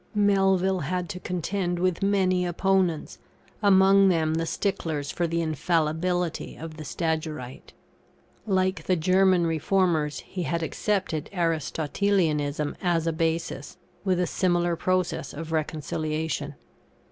Melville had to contend with many opponents, among them the sticklers for the infallibility of the Stagyrite. Like the German Reformers, he had accepted Aristotelianism as a basis, with a similar process of reconciliation.